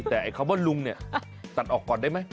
แต่ไอ้คำว่าลุงเนี่ยตัดออกก่อนได้ไหม